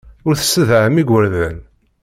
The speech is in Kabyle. Ur tessedhamt igerdan.